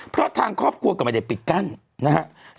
เพราะทางครอบครัวก็ไม่ได้ปิดกั้นนะครับ